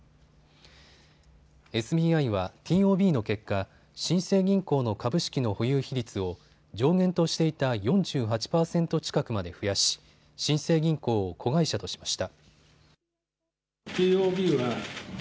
ＳＢＩはＴＯＢの結果、新生銀行の株式の保有比率を上限としていた４８％近くまで増やし、新生銀行を子会社としました。